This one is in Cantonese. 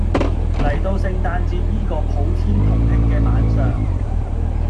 嚟到聖誕節依個普天同慶嘅晚上